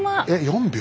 ４秒。